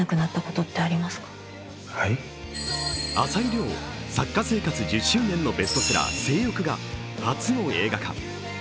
朝井リョウ、作家生活１０周年のベストセラー「正欲」が初の映画化。